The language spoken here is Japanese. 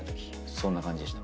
そんな感じでした。